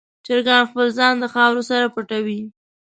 چرګان خپل ځان د خاورو سره پټوي.